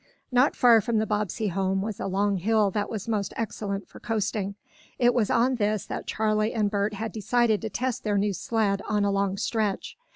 Not far from the Bobbsey home was a long hill that was most excellent for coasting. It was on this that Charley and Bert had decided to test their new sled on a long stretch.